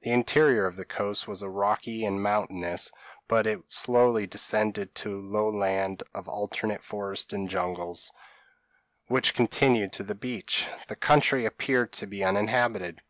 The interior of the coast was rocky and mountainous; but it slowly descended to low land of alternate forest and jungles, which continued to the beach: the country appeared to be uninhabited.